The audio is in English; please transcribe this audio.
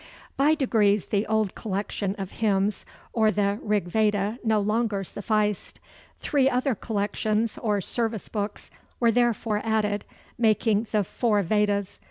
By degrees the old collection of hymns, or the Rig Veda, no longer sufficed. Three other collections or service books were therefore added, making the Four Vedas.